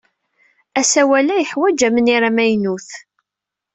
Asalay-a yeḥwaj amnir amaynu.